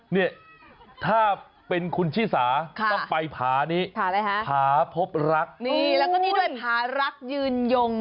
นี่แล้วก็นี่ด้วยพารักยืนยง